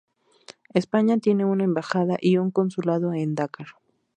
España tiene una embajada y un consulado en Dakar.